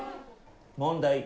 問題。